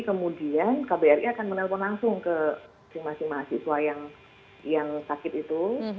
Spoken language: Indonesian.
kemudian kbri akan menelpon langsung ke masing masing mahasiswa yang sakit itu